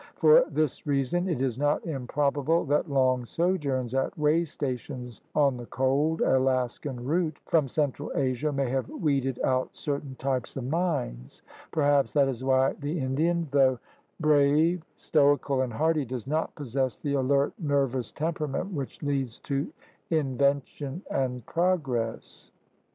For this reason it is not improbable that long sojourns at way stations on the cold, Alaskan route from cen tral Asia may have weeded out certain types of minds. Perhaps that is why the Indian, though ' From Ballads of a Cheechako. THE APPROACHES TO AMERICA 21 brave, stoical, and hardy, does not possess the alert, nervous temperament which leads to invention and progress.